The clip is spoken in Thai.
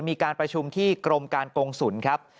มีการประชุมที่กรมการกงศูนย์ครับ